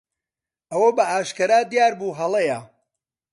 ئەوە بەئاشکرا دیار بوو هەڵەیە.